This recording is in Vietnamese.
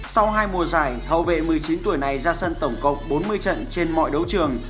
sau hai mùa giải hậu vệ một mươi chín tuổi này ra sân tổng cộng bốn mươi trận trên mọi đấu trường